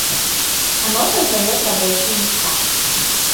Оно создает рабочие места.